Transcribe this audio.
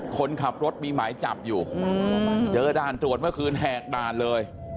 คนขับรถมีหมายจับอยู่เจอด่านตรวจเมื่อคืนแหกด่านเลย